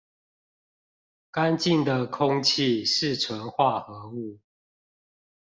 乾淨的空氣是純化合物